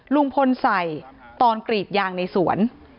ลุงพลใส่ตอนกรีดยางในสวน